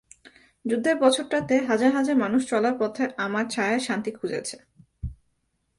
যুদ্ধের বছরটাতে হাজার হাজার মানুষ চলার পথে আমার ছায়ায় শান্তি খুঁজেছে।